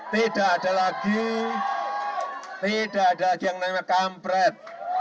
tidak ada lagi yang namanya kampret